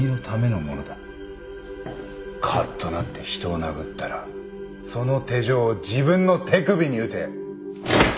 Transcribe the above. かっとなって人を殴ったらその手錠を自分の手首にうて。